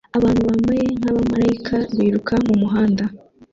Abantu bambaye nkabamarayika biruka mumuhanda